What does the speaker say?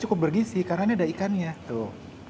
cukup bergisi karena ini ada ikannya tuh